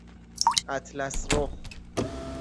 اطلسرخ